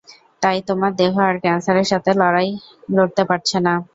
তাই তোমার দেহ আর ক্যান্সারের সাথে লড়তে পারছে না।